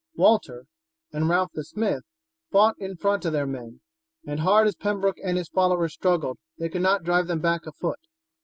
Walter and Ralph the smith, fought in front of their men, and hard as Pembroke and his followers struggled, they could not drive them back a foot.